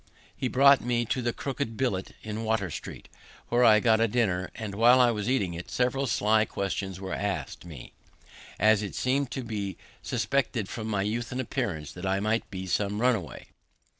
He brought me to the Crooked Billet in Water street. Here I got a dinner; and, while I was eating it, several sly questions were asked me, as it seemed to be suspected from my youth and appearance, that I might be some runaway.